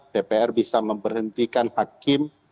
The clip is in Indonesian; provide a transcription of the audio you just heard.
dpr bisa memberhentikan hakim